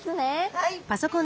はい。